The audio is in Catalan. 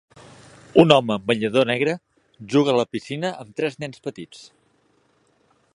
Un home amb banyador negre juga a la piscina amb tres nens petits.